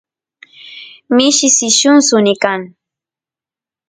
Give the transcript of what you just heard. mishi sillun suni kan